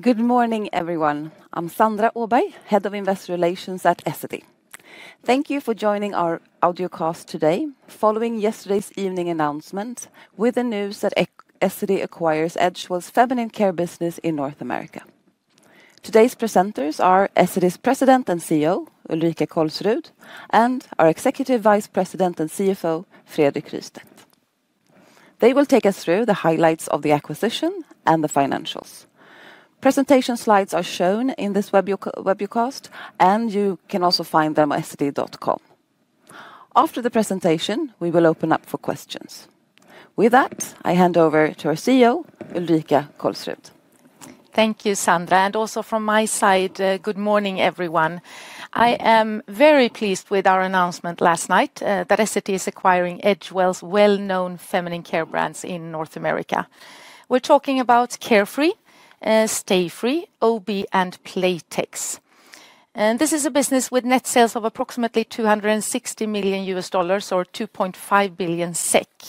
Good morning, everyone. I'm Sandra Åberg, Head of Investor Relations at Essity. Thank you for joining our audiocast today, following yesterday's evening announcement with the news that Essity acquires Edgewell's feminine care business in North America. Today's presenters are Essity's President and CEO, Ulrika Kolsrud, and our Executive Vice President and CFO, Fredrik Rystedt. They will take us through the highlights of the acquisition and the financials. Presentation slides are shown in this webcast, and you can also find them on Essity.com. After the presentation, we will open up for questions. With that, I hand over to our CEO, Ulrika Kolsrud. Thank you, Sandra. Also from my side, good morning, everyone. I am very pleased with our announcement last night that Essity is acquiring Edgewell's well-known feminine care brands in North America. We're talking about Carefree, Stayfree, o.b., and Playtex. This is a business with net sales of approximately $260 million, or 2.5 billion SEK.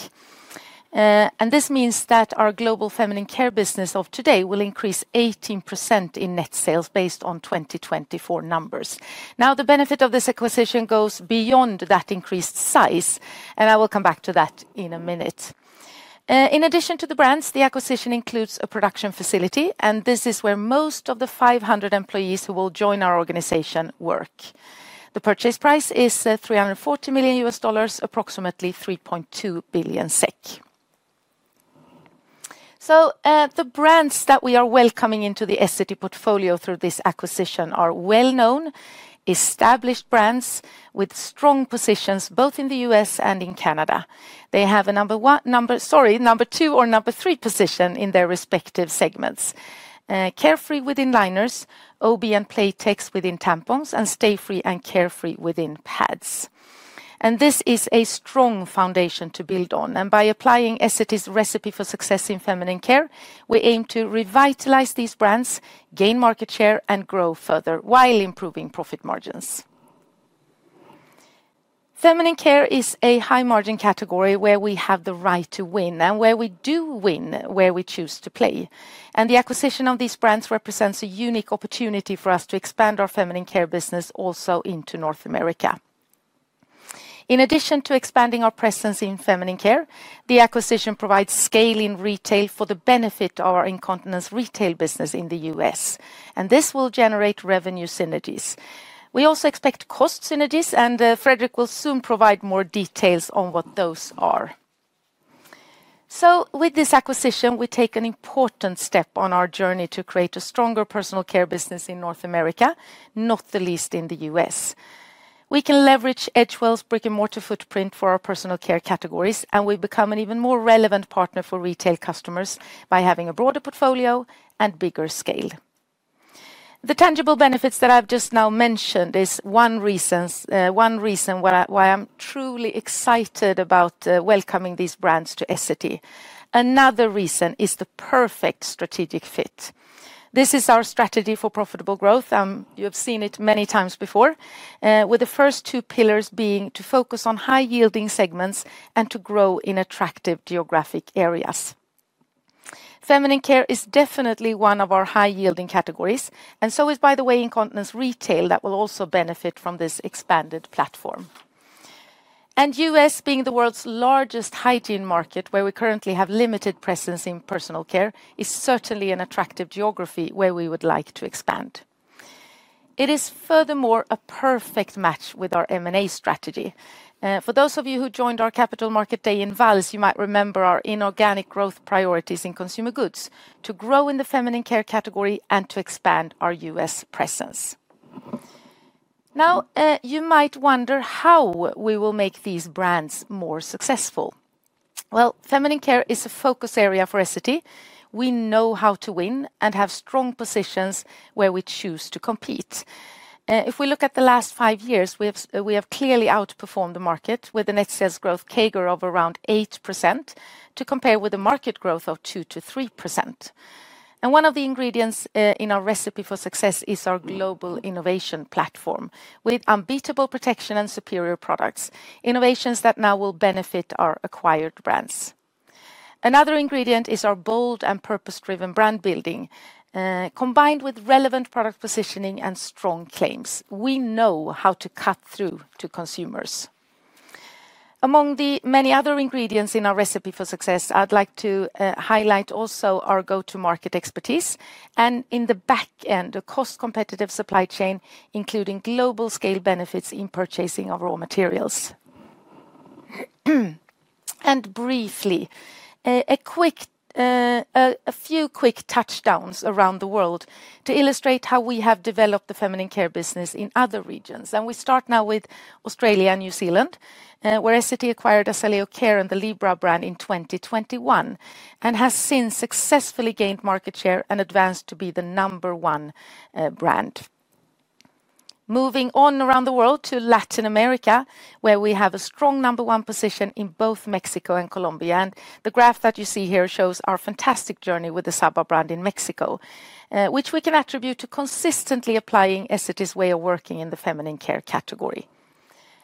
This means that our global feminine care business of today will increase 18% in net sales based on 2024 numbers. Now, the benefit of this acquisition goes beyond that increased size, and I will come back to that in a minute. In addition to the brands, the acquisition includes a production facility, and this is where most of the 500 employees who will join our organization work. The purchase price is $340 million, approximately 3.2 billion SEK. The brands that we are welcoming into the Essity portfolio through this acquisition are well-known, established brands with strong positions both in the U.S. and in Canada. They have a number two or number three position in their respective segments: Carefree within liners, o.b. and Playtex within tampons, and Stayfree and Carefree within pads. This is a strong foundation to build on. By applying Essity's recipe for success in feminine care, we aim to revitalize these brands, gain market share, and grow further while improving profit margins. Feminine care is a high-margin category where we have the right to win and where we do win where we choose to play. The acquisition of these brands represents a unique opportunity for us to expand our feminine care business also into North America. In addition to expanding our presence in feminine care, the acquisition provides scale in retail for the benefit of our incontinence retail business in the U.S. This will generate revenue synergies. We also expect cost synergies, and Fredrik will soon provide more details on what those are. With this acquisition, we take an important step on our journey to create a stronger personal care business in North America, not the least in the U.S. We can leverage Edgewell's brick-and-mortar footprint for our personal care categories, and we become an even more relevant partner for retail customers by having a broader portfolio and bigger scale. The tangible benefits that I've just now mentioned are one reason why I'm truly excited about welcoming these brands to Essity. Another reason is the perfect strategic fit. This is our strategy for profitable growth, and you have seen it many times before, with the first two pillars being to focus on high-yielding segments and to grow in attractive geographic areas. Feminine care is definitely one of our high-yielding categories, and so is, by the way, incontinence retail that will also benefit from this expanded platform. U.S., being the world's largest hygiene market, where we currently have limited presence in personal care, is certainly an attractive geography where we would like to expand. It is furthermore a perfect match with our M&A strategy. For those of you who joined our capital market day in Valls, you might remember our inorganic growth priorities in consumer goods: to grow in the feminine care category and to expand our U.S. presence. Now, you might wonder how we will make these brands more successful. Feminine care is a focus area for Essity. We know how to win and have strong positions where we choose to compete. If we look at the last five years, we have clearly outperformed the market with a net sales growth CAGR of around 8% to compare with a market growth of 2%-3%. One of the ingredients in our recipe for success is our global innovation platform with unbeatable protection and superior products, innovations that now will benefit our acquired brands. Another ingredient is our bold and purpose-driven brand building, combined with relevant product positioning and strong claims. We know how to cut through to consumers. Among the many other ingredients in our recipe for success, I'd like to highlight also our go-to-market expertise and, in the back end, a cost-competitive supply chain, including global scale benefits in purchasing of raw materials. Briefly, a few quick touchdowns around the world to illustrate how we have developed the feminine care business in other regions. We start now with Australia and New Zealand, where Essity acquired Asaleo Care and the Libra brand in 2021 and has since successfully gained market share and advanced to be the number one brand. Moving on around the world to Latin America, where we have a strong number one position in both Mexico and Colombia. The graph that you see here shows our fantastic journey with the Saba brand in Mexico, which we can attribute to consistently applying Essity's way of working in the feminine care category.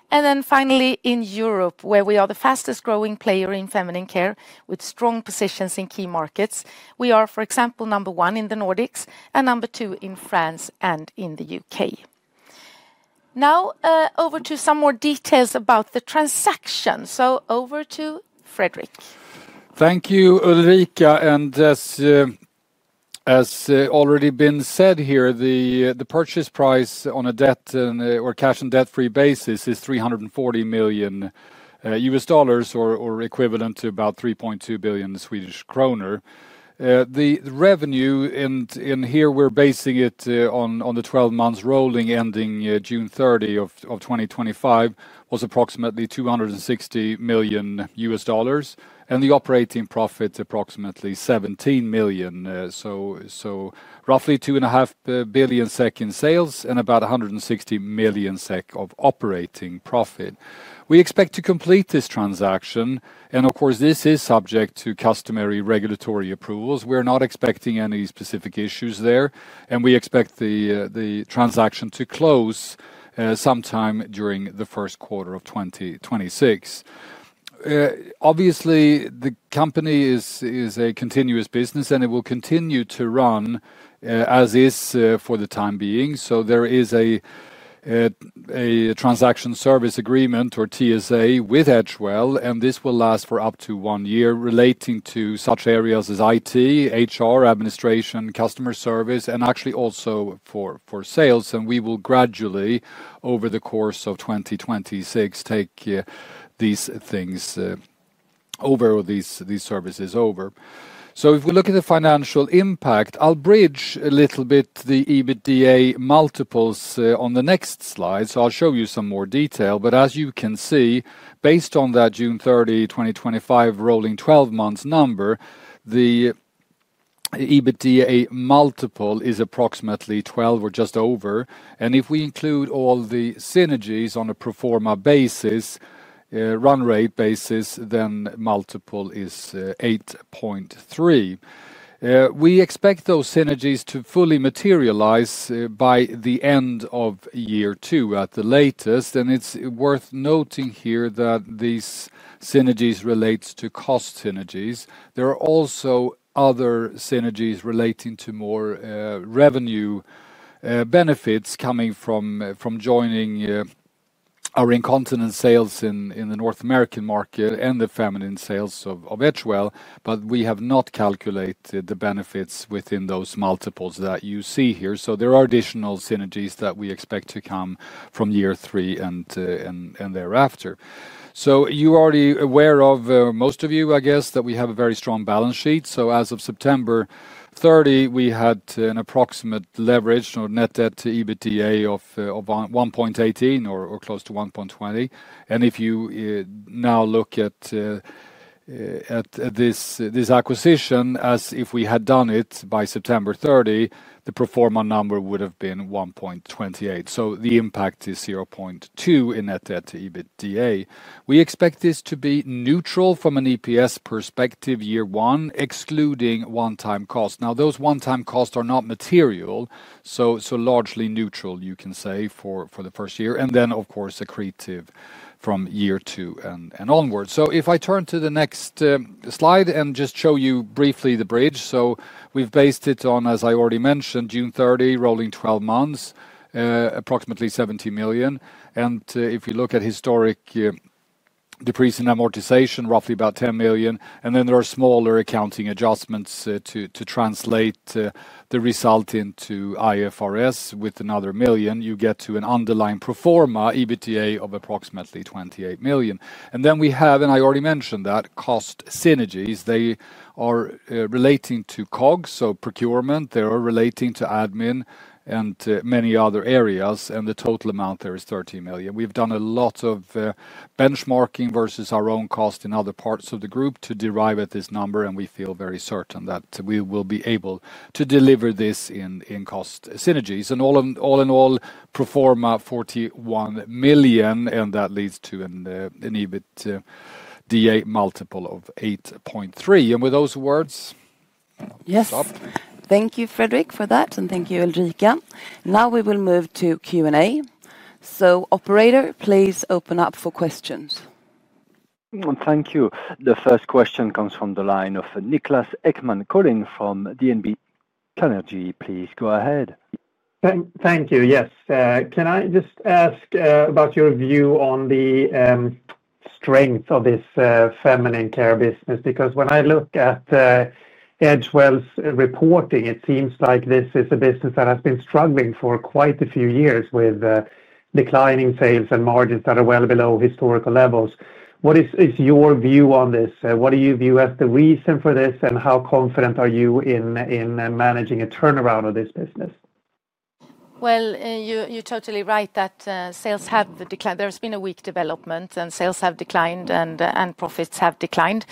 Finally, in Europe, where we are the fastest-growing player in feminine care with strong positions in key markets, we are, for example, number one in the Nordics and number two in France and in the U.K. Now, over to some more details about the transaction. Over to Fredrik. Thank you, Ulrika. As already been said here, the purchase price on a cash and debt-free basis is $340 million or equivalent to about 3.2 billion Swedish kronor. The revenue in here, we're basing it on the 12-month rolling ending June 30 of 2025, was approximately $260 million, and the operating profit approximately $17 million. So roughly 2.5 billion in sales and about 160 million SEK of operating profit. We expect to complete this transaction. Of course, this is subject to customary regulatory approvals. We're not expecting any specific issues there. We expect the transaction to close sometime during the first quarter of 2026. Obviously, the company is a continuous business, and it will continue to run as is for the time being. There is a transaction service agreement or TSA with Edgewell, and this will last for up to one year relating to such areas as IT, HR, administration, customer service, and actually also for sales. We will gradually, over the course of 2026, take these things over or these services over. If we look at the financial impact, I'll bridge a little bit the EBITDA multiples on the next slide. I'll show you some more detail. As you can see, based on that June 30, 2025, rolling 12-month number, the EBITDA multiple is approximately 12x or just over. If we include all the synergies on a pro forma basis, run rate basis, then multiple is 8.3x. We expect those synergies to fully materialize by the end of year two at the latest. It's worth noting here that these synergies relate to cost synergies. There are also other synergies relating to more revenue benefits coming from joining our incontinence sales in the North American market and the feminine sales of Edgewell. We have not calculated the benefits within those multiples that you see here. There are additional synergies that we expect to come from year three and thereafter. You are already aware of, most of you, I guess, that we have a very strong balance sheet. As of September 30, we had an approximate leverage or net debt to EBITDA of 1.18x or close to 1.20x. If you now look at this acquisition, as if we had done it by September 30, the pro forma number would have been 1.28x. The impact is 0.2 in net debt to EBITDA. We expect this to be neutral from an EPS perspective year one, excluding one-time costs. Now, those one-time costs are not material, so largely neutral, you can say, for the first year. Of course, accretive from year two and onward. If I turn to the next slide and just show you briefly the bridge. We have based it on, as I already mentioned, June 30, rolling 12 months, approximately [$17 million]. If you look at historic depreciation and amortization, roughly about $10 million. There are smaller accounting adjustments to translate the result into IFRS with another $1 million. You get to an underlying pro forma EBITDA of approximately $28 million. We have, and I already mentioned that, cost synergies. They are relating to COGS, so procurement. They are relating to admin and many other areas. The total amount there is $30 million. We've done a lot of benchmarking versus our own cost in other parts of the group to derive at this number. We feel very certain that we will be able to deliver this in cost synergies. All in all, pro forma $41 million. That leads to an EBITDA multiple of 8.3x. With those words, stop. Yes. Thank you, Fredrik, for that. And thank you, Ulrika. Now we will move to Q&A. Operator, please open up for questions. Thank you. The first question comes from the line of Niklas Ekman from DNB Carnegie. Please go ahead. Thank you. Yes. Can I just ask about your view on the strength of this feminine care business? Because when I look at Edgewell's reporting, it seems like this is a business that has been struggling for quite a few years with declining sales and margins that are well below historical levels. What is your view on this? What do you view as the reason for this? How confident are you in managing a turnaround of this business? You are totally right that sales have declined. There has been a weak development, and sales have declined and profits have declined.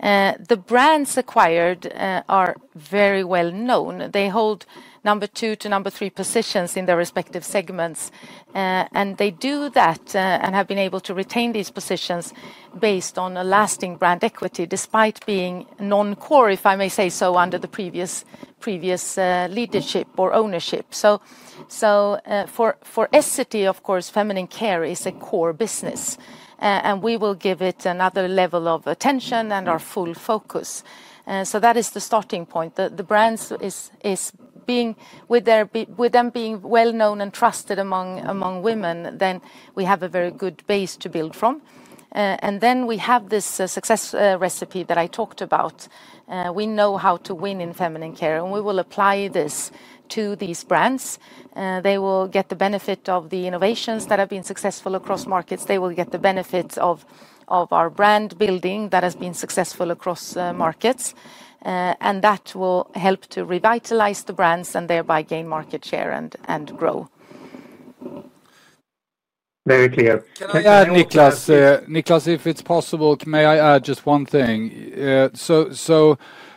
The brands acquired are very well known. They hold number two to number three positions in their respective segments. They do that and have been able to retain these positions based on a lasting brand equity despite being non-core, if I may say so, under the previous leadership or ownership. For Essity, of course, feminine care is a core business. We will give it another level of attention and our full focus. That is the starting point. The brands, with them being well known and trusted among women, then we have a very good base to build from. We have this success recipe that I talked about. We know how to win in feminine care. We will apply this to these brands. They will get the benefit of the innovations that have been successful across markets. They will get the benefit of our brand building that has been successful across markets. That will help to revitalize the brands and thereby gain market share and grow. Very clear. Can I add, Niklas? Niklas, if it's possible, may I add just one thing?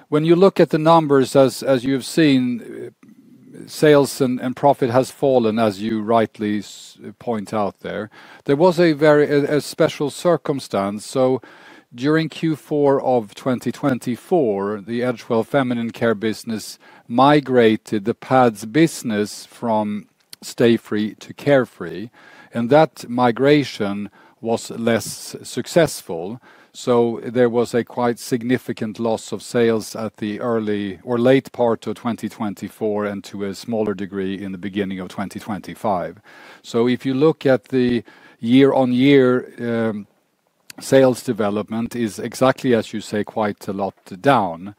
When you look at the numbers, as you've seen, sales and profit has fallen, as you rightly point out there. There was a special circumstance. During Q4 of 2024, the Edgewell feminine care business migrated the pads business from Stayfree to Carefree. That migration was less successful. There was a quite significant loss of sales at the early or late part of 2024 and to a smaller degree in the beginning of 2025. If you look at the year-on-year sales development, it is exactly, as you say, quite a lot down,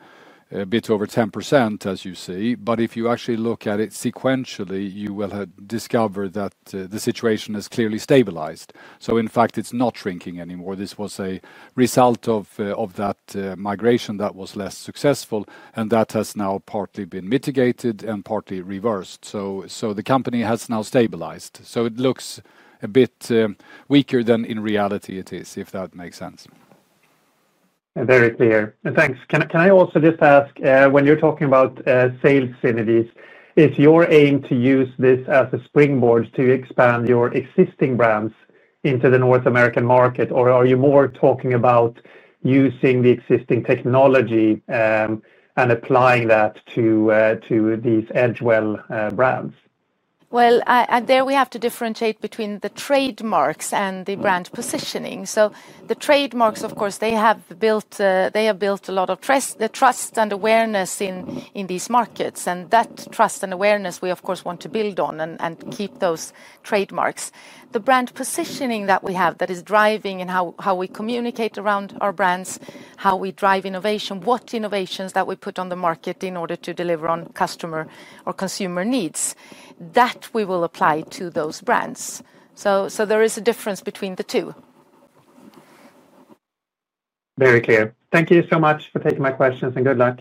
a bit over 10%, as you see. If you actually look at it sequentially, you will discover that the situation has clearly stabilized. In fact, it's not shrinking anymore. This was a result of that migration that was less successful. That has now partly been mitigated and partly reversed. The company has now stabilized. It looks a bit weaker than in reality it is, if that makes sense. Very clear. Thanks. Can I also just ask, when you're talking about sales synergies, is your aim to use this as a springboard to expand your existing brands into the North American market? Or are you more talking about using the existing technology and applying that to these Edgewell brands? There we have to differentiate between the trademarks and the brand positioning. The trademarks, of course, have built a lot of trust and awareness in these markets. That trust and awareness, we, of course, want to build on and keep those trademarks. The brand positioning that we have that is driving and how we communicate around our brands, how we drive innovation, what innovations that we put on the market in order to deliver on customer or consumer needs, that we will apply to those brands. There is a difference between the two. Very clear. Thank you so much for taking my questions and good luck.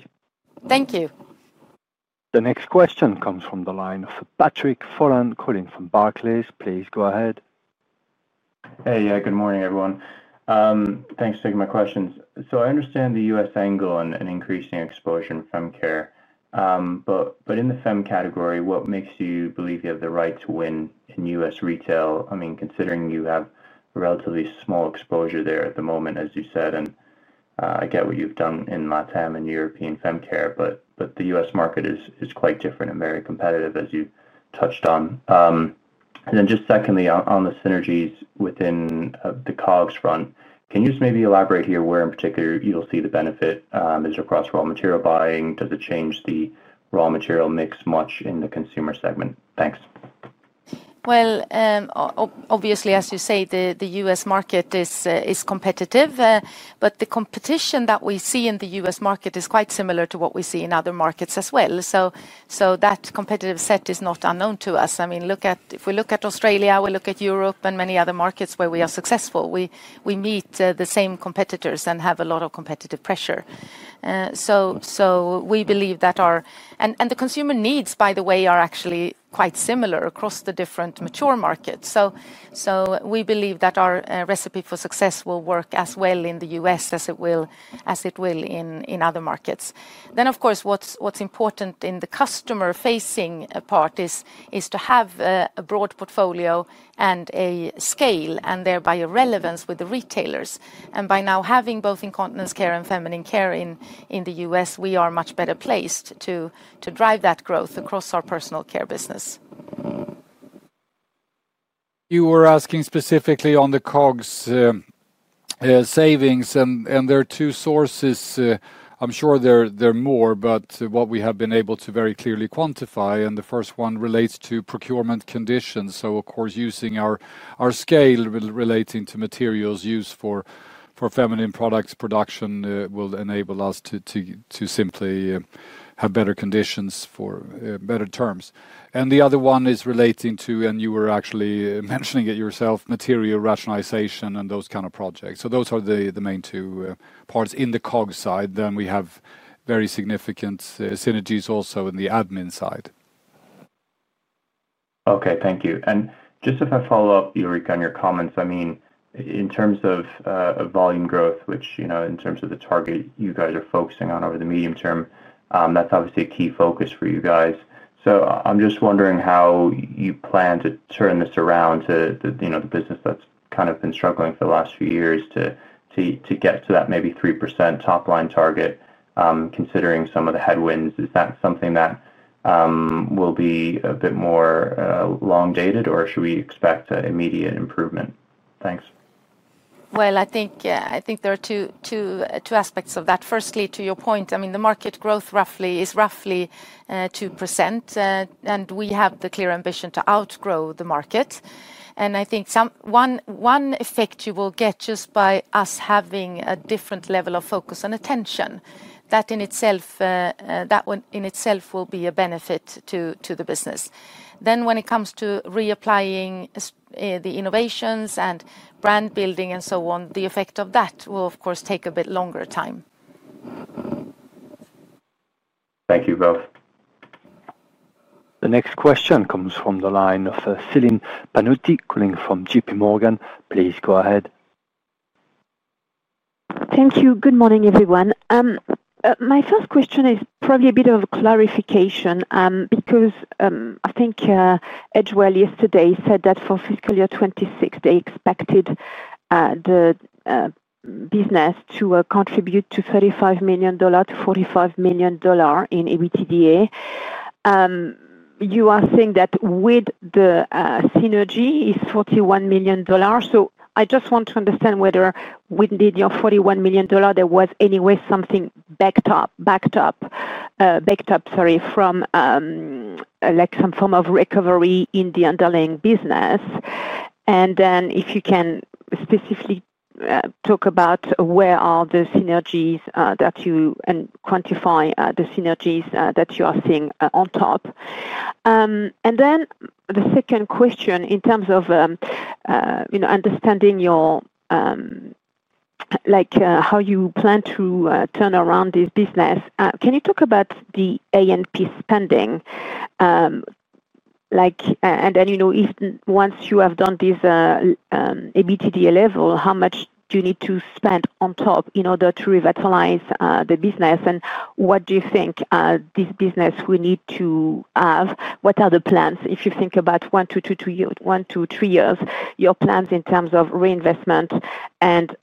Thank you. The next question comes from the line of Patrick Folan, Barclays. Please go ahead. Hey, good morning, everyone. Thanks for taking my questions. I understand the U.S. angle and increasing exposure in femcare. In the fem category, what makes you believe you have the right to win in U.S. retail? I mean, considering you have a relatively small exposure there at the moment, as you said. I get what you've done in LatAm and European femcare. The U.S. market is quite different and very competitive, as you touched on. Secondly, on the synergies within the COGS front, can you maybe elaborate here where in particular you'll see the benefit? Is it across raw material buying? Does it change the raw material mix much in the consumer segment? Thanks. Obviously, as you say, the U.S. market is competitive. The competition that we see in the U.S. market is quite similar to what we see in other markets as well. That competitive set is not unknown to us. I mean, if we look at Australia, we look at Europe and many other markets where we are successful, we meet the same competitors and have a lot of competitive pressure. We believe that our and the consumer needs, by the way, are actually quite similar across the different mature markets. We believe that our recipe for success will work as well in the U.S. as it will in other markets. Of course, what is important in the customer-facing part is to have a broad portfolio and a scale and thereby a relevance with the retailers. By now having both incontinence care and feminine care in the U.S., we are much better placed to drive that growth across our personal care business. You were asking specifically on the COGS savings. There are two sources. I'm sure there are more, but what we have been able to very clearly quantify. The first one relates to procurement conditions. Of course, using our scale relating to materials used for feminine products production will enable us to simply have better conditions for better terms. The other one is relating to, and you were actually mentioning it yourself, material rationalization and those kind of projects. Those are the main two parts in the COGS side. We have very significant synergies also in the admin side. Okay, thank you. Just to follow up, Ulrika, on your comments, I mean, in terms of volume growth, which in terms of the target you guys are focusing on over the medium term, that's obviously a key focus for you guys. I'm just wondering how you plan to turn this around to the business that's kind of been struggling for the last few years to get to that maybe 3% top-line target, considering some of the headwinds. Is that something that will be a bit more long-dated, or should we expect immediate improvement? Thanks. I think there are two aspects of that. Firstly, to your point, I mean, the market growth is roughly 2%. We have the clear ambition to outgrow the market. I think one effect you will get just by us having a different level of focus and attention, that in itself will be a benefit to the business. When it comes to reapplying the innovations and brand building and so on, the effect of that will, of course, take a bit longer time. Thank you both. The next question comes from the line of Celine Pannuti from JPMorgan. Please go ahead. Thank you. Good morning, everyone. My first question is probably a bit of clarification because I think Edgewell yesterday said that for fiscal year 2026, they expected the business to contribute $35 million-$45 million in EBITDA. You are saying that with the synergy is $41 million. I just want to understand whether within your $41 million, there was anyway something backed up, backed up, sorry, from like some form of recovery in the underlying business. If you can specifically talk about where are the synergies that you and quantify the synergies that you are seeing on top. The second question in terms of understanding how you plan to turn around this business, can you talk about the A&P spending? Once you have done this EBITDA level, how much do you need to spend on top in order to revitalize the business? What do you think this business will need to have? What are the plans? If you think about one to two years, your plans in terms of reinvestment and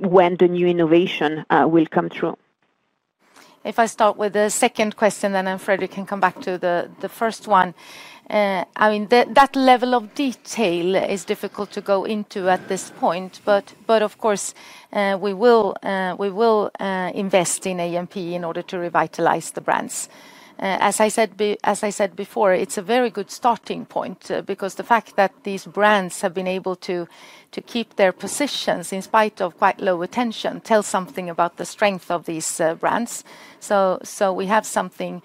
when the new innovation will come through? If I start with the second question, then I'm afraid we can come back to the first one. I mean, that level of detail is difficult to go into at this point. Of course, we will invest in A&P in order to revitalize the brands. As I said before, it's a very good starting point because the fact that these brands have been able to keep their positions in spite of quite low attention tells something about the strength of these brands. We have something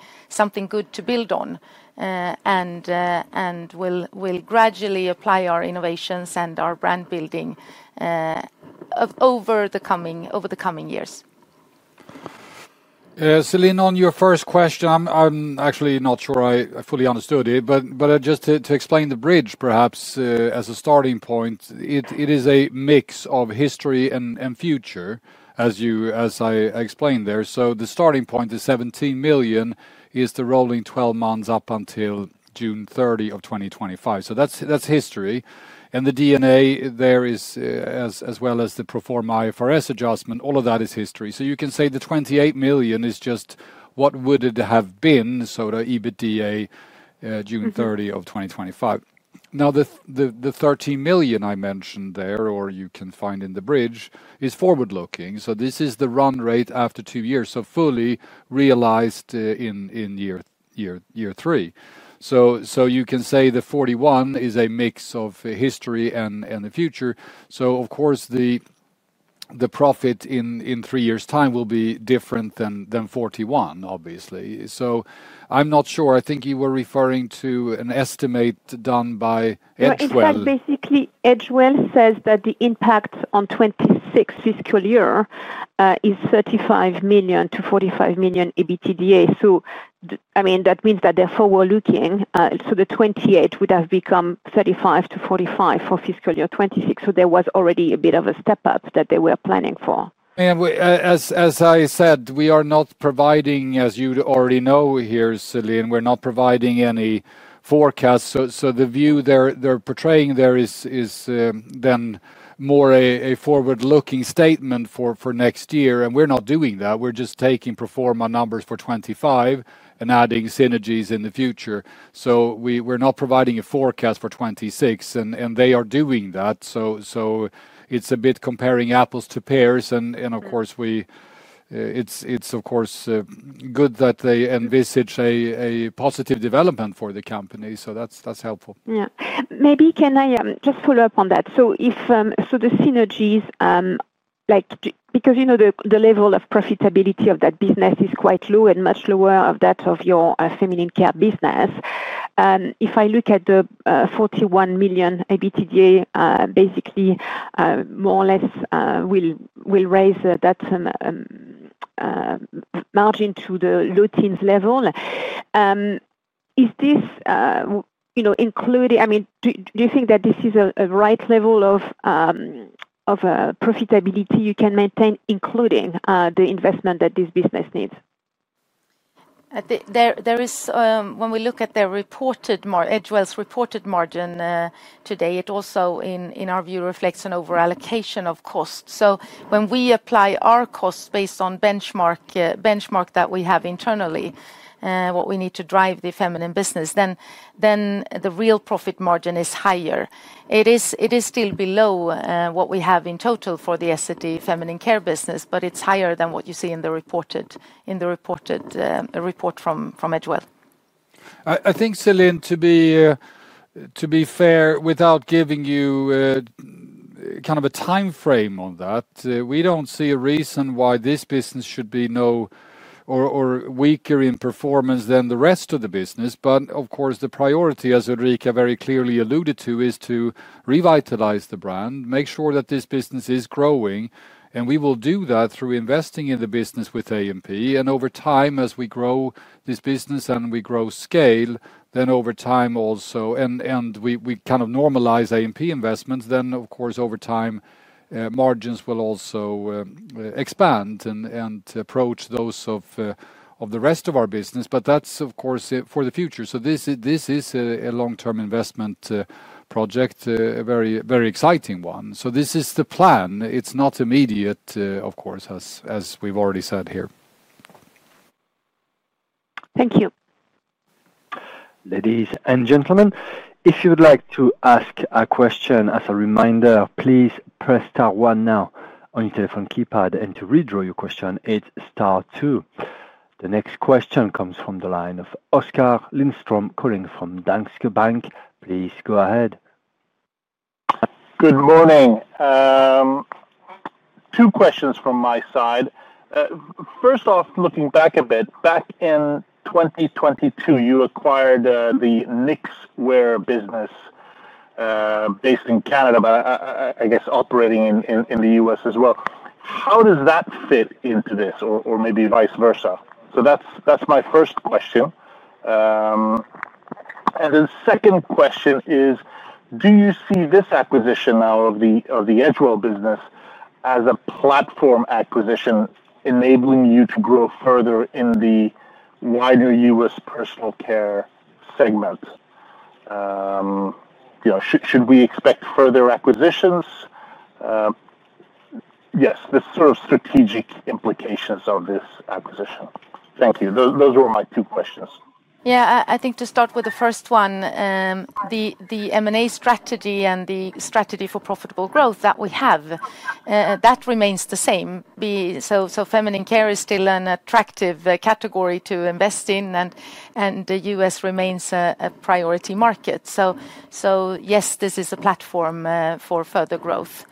good to build on and will gradually apply our innovations and our brand building over the coming years. Celine, on your first question, I'm actually not sure I fully understood it. Just to explain the bridge, perhaps as a starting point, it is a mix of history and future, as I explained there. The starting point is $17 million is to roll in 12 months up until June 30 of 2025. That is history. The DNA there is, as well as the pro forma IFRS adjustment, all of that is history. You can say the $28 million is just what would it have been sort of EBITDA June 30 of 2025. The $13 million I mentioned there, or you can find in the bridge, is forward-looking. This is the run rate after two years, fully realized in year three. You can say the $41 million is a mix of history and the future. Of course, the profit in three years' time will be different than 41, obviously. I'm not sure. I think you were referring to an estimate done by Edgewell. Right. But basically, Edgewell says that the impact on 2026 fiscal year is $35 million-$45 million EBITDA. So I mean, that means that they're forward-looking. So the $28 million would have become $35 million-$45 million for fiscal year 2026. So there was already a bit of a step up that they were planning for. As I said, we are not providing, as you already know here, Celine, we're not providing any forecast. The view they're portraying there is then more a forward-looking statement for next year. We're not doing that. We're just taking pro forma numbers for 2025 and adding synergies in the future. We're not providing a forecast for 2026. They are doing that. It's a bit comparing apples to pears. Of course, it's good that they envisage a positive development for the company. That's helpful. Yeah. Maybe can I just follow up on that? The synergies, because the level of profitability of that business is quite low and much lower than that of your feminine care business, if I look at the $41 million EBITDA, basically more or less will raise that margin to the low teens level. Is this including, I mean, do you think that this is a right level of profitability you can maintain including the investment that this business needs? When we look at their reported margin today, it also in our view reflects an overallocation of costs. When we apply our costs based on benchmark that we have internally, what we need to drive the feminine business, then the real profit margin is higher. It is still below what we have in total for the Essity feminine care business, but it's higher than what you see in the reported report from Edgewell. I think, Celine, to be fair, without giving you kind of a time frame on that, we do not see a reason why this business should be no or weaker in performance than the rest of the business. Of course, the priority, as Ulrika very clearly alluded to, is to revitalize the brand, make sure that this business is growing. We will do that through investing in the business with A&P. Over time, as we grow this business and we grow scale, then over time also, and we kind of normalize A&P investments, then of course, over time, margins will also expand and approach those of the rest of our business. That is of course for the future. This is a long-term investment project, a very exciting one. This is the plan. It is not immediate, of course, as we have already said here. Thank you. Ladies and gentlemen, if you would like to ask a question as a reminder, please press star one now on your telephone keypad, and to withdraw your question, hit star two. The next question comes from the line of Oskar Lindström from Danske Bank. Please go ahead. Good morning. Two questions from my side. First off, looking back a bit, back in 2022, you acquired the Knix Wear business based in Canada, but I guess operating in the U.S. as well. How does that fit into this or maybe vice versa? That is my first question. Second question is, do you see this acquisition now of the Edgewell business as a platform acquisition enabling you to grow further in the wider U.S. personal care segment? Should we expect further acquisitions? Yes, the sort of strategic implications of this acquisition. Thank you. Those were my two questions. Yeah, I think to start with the first one, the M&A strategy and the strategy for profitable growth that we have, that remains the same. Feminine care is still an attractive category to invest in, and the U.S. remains a priority market. Yes, this is a platform for further growth,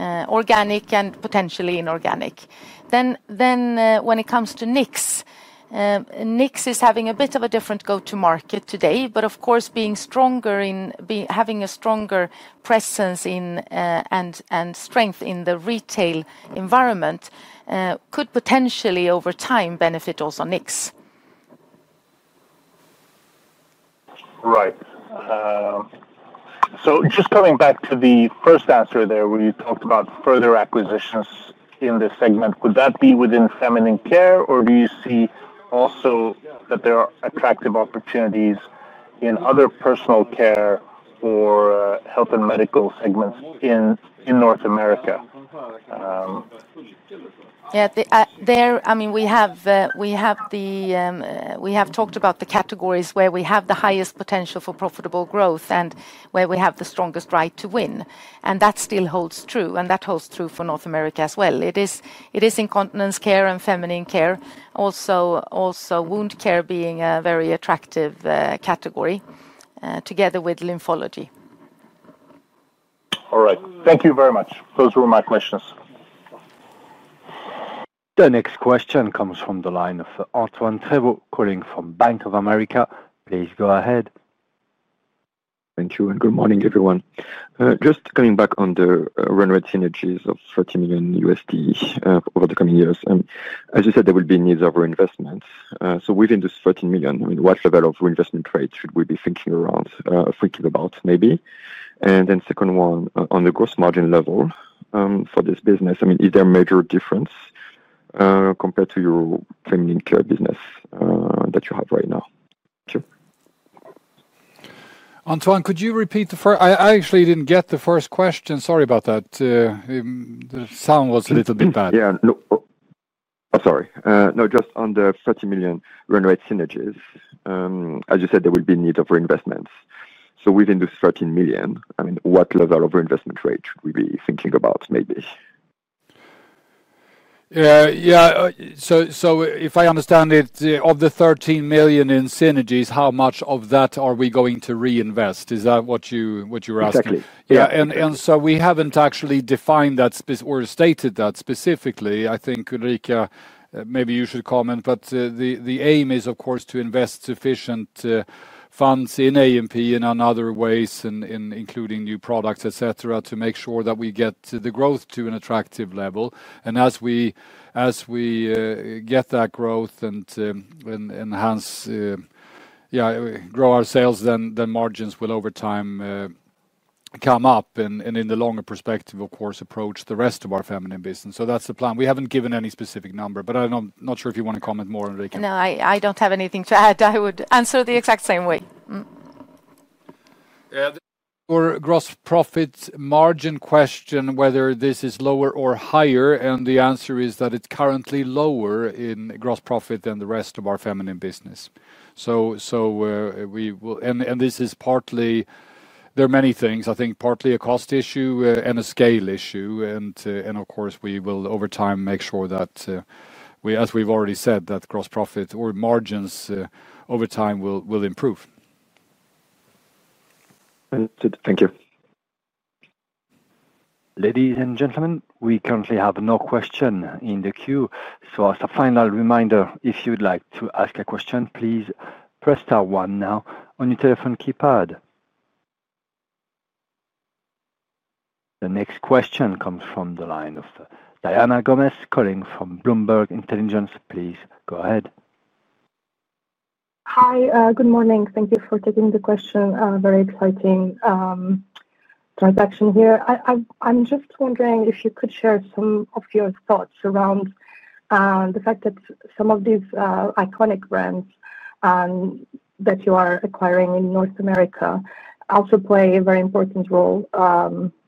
organic and potentially inorganic. When it comes to Knix, Knix is having a bit of a different go-to-market today, but of course, being stronger, having a stronger presence and strength in the retail environment could potentially over time benefit also Knix. Right. Just coming back to the first answer there where you talked about further acquisitions in this segment, would that be within feminine care, or do you see also that there are attractive opportunities in other personal care or health and medical segments in North America? Yeah, I mean, we have talked about the categories where we have the highest potential for profitable growth and where we have the strongest right to win. That still holds true. That holds true for North America as well. It is incontinence care and feminine care, also wound care being a very attractive category together with lymphology. All right. Thank you very much. Those were my questions. The next question comes from the line of Antoine Prévot from Bank of America. Please go ahead. Thank you. Good morning, everyone. Just coming back on the run rate synergies of $30 million over the coming years. As you said, there will be needs of reinvestment. Within this $30 million, I mean, what level of reinvestment rate should we be thinking around, thinking about maybe? The second one, on the gross margin level for this business, I mean, is there a major difference compared to your feminine care business that you have right now? Thank you. Antoine, could you repeat the first? I actually didn't get the first question. Sorry about that. The sound was a little bit bad. Yeah. No, sorry. No, just on the $30 million run rate synergies, as you said, there will be need of reinvestments. So within this $30 million, I mean, what level of reinvestment rate should we be thinking about maybe? Yeah. So if I understand it, of the $13 million in synergies, how much of that are we going to reinvest? Is that what you're asking? Exactly. Yeah. We have not actually defined that or stated that specifically. I think, Ulrika, maybe you should comment, but the aim is, of course, to invest sufficient funds in A&P in other ways, including new products, etc., to make sure that we get the growth to an attractive level. As we get that growth and enhance, yeah, grow our sales, then margins will over time come up and in the longer perspective, of course, approach the rest of our feminine business. That is the plan. We have not given any specific number, but I am not sure if you want to comment more, Ulrika. No, I don't have anything to add. I would answer the exact same way. For gross profit margin question, whether this is lower or higher, the answer is that it is currently lower in gross profit than the rest of our feminine business. This is partly, there are many things, I think partly a cost issue and a scale issue. Of course, we will over time make sure that, as we have already said, gross profit or margins over time will improve. Thank you. Ladies and gentlemen, we currently have no question in the queue. As a final reminder, if you'd like to ask a question, please press star one now on your telephone keypad. The next question comes from the line of Diana Gomes from Bloomberg Intelligence. Please go ahead. Hi, good morning. Thank you for taking the question. Very exciting transaction here. I'm just wondering if you could share some of your thoughts around the fact that some of these iconic brands that you are acquiring in North America also play a very important role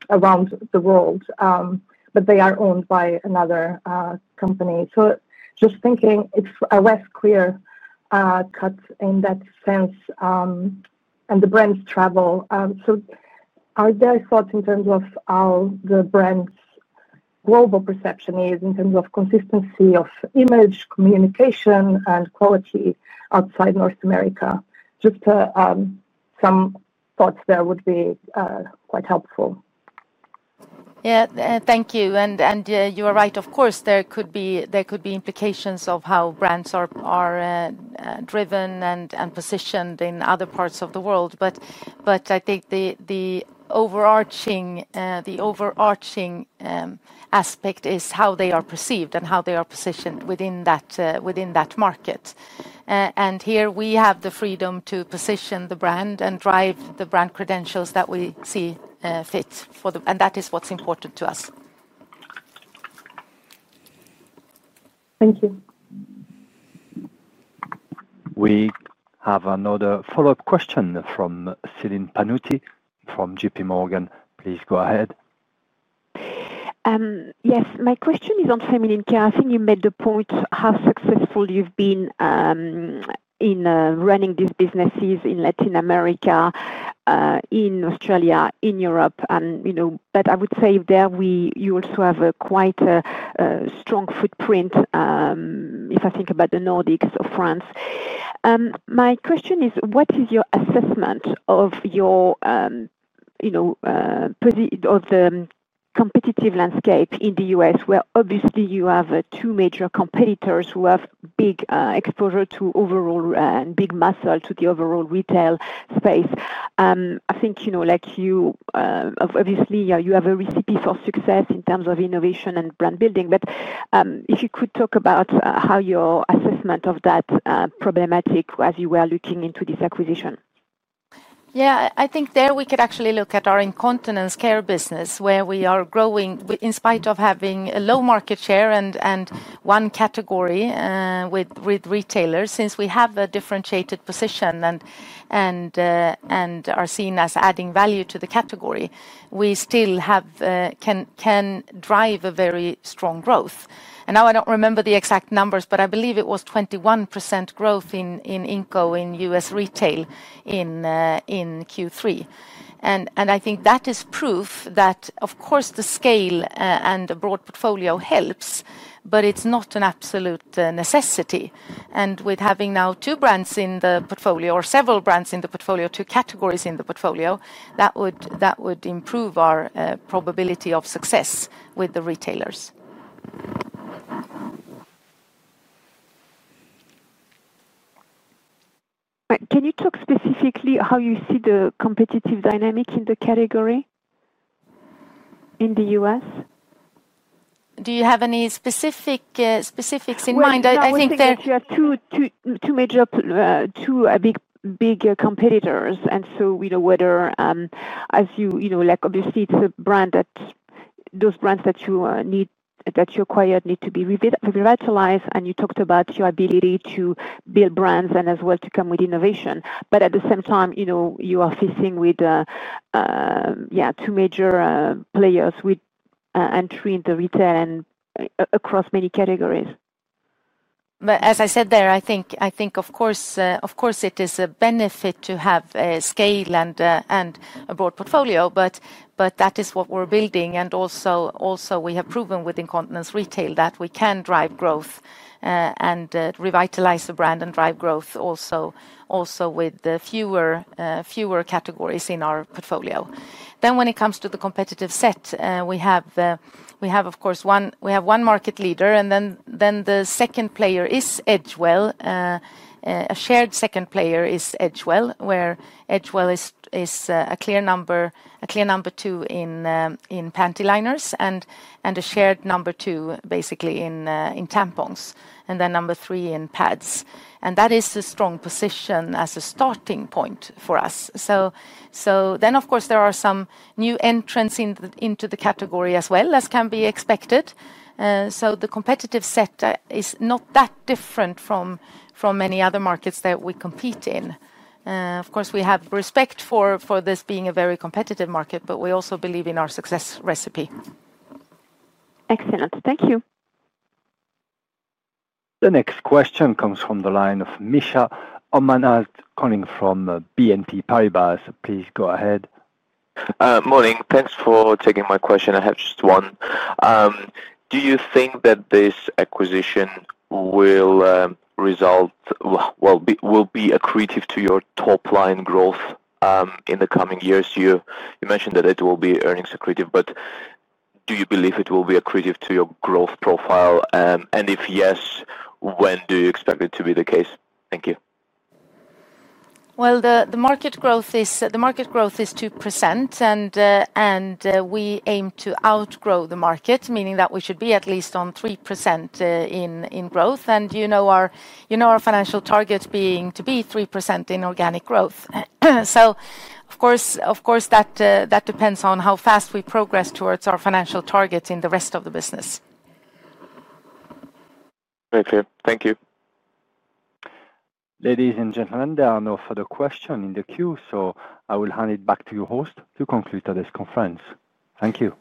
around the world, but they are owned by another company. Just thinking if a West Cougar cut in that sense and the brands travel, are there thoughts in terms of how the brand's global perception is in terms of consistency of image, communication, and quality outside North America? Just some thoughts there would be quite helpful. Yeah, thank you. You are right. Of course, there could be implications of how brands are driven and positioned in other parts of the world. I think the overarching aspect is how they are perceived and how they are positioned within that market. Here we have the freedom to position the brand and drive the brand credentials that we see fit for the, and that is what's important to us. Thank you. We have another follow-up question from Celine Pannuti from JPMorgan. Please go ahead. Yes, my question is on feminine care. I think you made the point how successful you've been in running these businesses in Latin America, in Australia, in Europe. I would say there you also have a quite strong footprint if I think about the Nordics or France. My question is, what is your assessment of the competitive landscape in the U.S., where obviously you have two major competitors who have big exposure overall and big muscle to the overall retail space? I think you know like you obviously you have a recipe for success in terms of innovation and brand building. If you could talk about how your assessment of that problematic as you were looking into this acquisition. Yeah, I think there we could actually look at our incontinence care business, where we are growing in spite of having a low market share in one category with retailers. Since we have a differentiated position and are seen as adding value to the category, we still can drive a very strong growth. I do not remember the exact numbers, but I believe it was 21% growth in Inco in U.S. retail in Q3. I think that is proof that, of course, the scale and a broad portfolio help, but it is not an absolute necessity. With having now two brands in the portfolio or several brands in the portfolio, two categories in the portfolio, that would improve our probability of success with the retailers. Can you talk specifically how you see the competitive dynamic in the category in the U.S.? Do you have any specifics in mind? I think there. I think there are two major competitors. Whether as you obviously, it is a brand that those brands that you acquired need to be revitalized. You talked about your ability to build brands and as well to come with innovation. At the same time, you are facing, yeah, two major players with entry in the retail and across many categories. As I said there, I think, of course, it is a benefit to have scale and a broad portfolio, but that is what we're building. We have proven with incontinence retail that we can drive growth and revitalize the brand and drive growth also with fewer categories in our portfolio. When it comes to the competitive set, we have, of course, one market leader, and then the second player is Edgewell. A shared second player is Edgewell, where Edgewell is a clear number two in panty liners and a shared number two basically in tampons, and then number three in pads. That is a strong position as a starting point for us. Of course, there are some new entrants into the category as well as can be expected. The competitive set is not that different from many other markets that we compete in. Of course, we have respect for this being a very competitive market, but we also believe in our success recipe. Excellent. Thank you. The next question comes from the line of Mikheil Omanadze from BNP Paribas. Please go ahead. Morning. Thanks for taking my question. I have just one. Do you think that this acquisition will result, will be accretive to your top line growth in the coming years? You mentioned that it will be earnings accretive, but do you believe it will be accretive to your growth profile? If yes, when do you expect it to be the case? Thank you. The market growth is 2%, and we aim to outgrow the market, meaning that we should be at least on 3% in growth. And you know our financial target being to be 3% in organic growth. So of course, that depends on how fast we progress towards our financial targets in the rest of the business. Thank you. Thank you. Ladies and gentlemen, there are no further questions in the queue, so I will hand it back to your host to conclude today's conference. Thank you.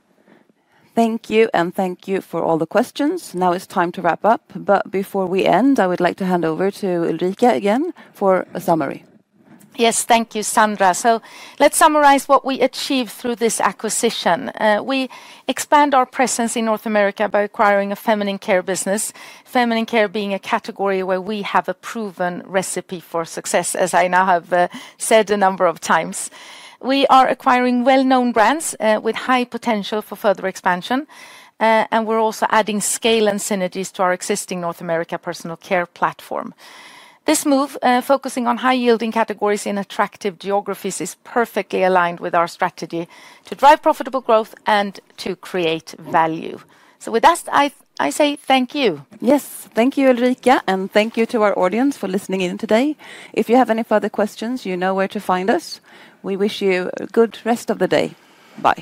Thank you, and thank you for all the questions. Now it's time to wrap up. Before we end, I would like to hand over to Ulrika again for a summary. Yes, thank you, Sandra. Let's summarize what we achieved through this acquisition. We expand our presence in North America by acquiring a feminine care business, feminine care being a category where we have a proven recipe for success, as I now have said a number of times. We are acquiring well-known brands with high potential for further expansion, and we're also adding scale and synergies to our existing North America personal care platform. This move, focusing on high-yielding categories in attractive geographies, is perfectly aligned with our strategy to drive profitable growth and to create value. With that, I say thank you. Yes, thank you, Ulrika, and thank you to our audience for listening in today. If you have any further questions, you know where to find us. We wish you a good rest of the day. Bye.